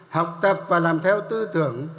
học tập và làm theo tư tưởng